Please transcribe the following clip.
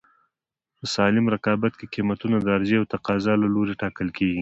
په سالم رقابت کې قیمتونه د عرضې او تقاضا له لورې ټاکل کېږي.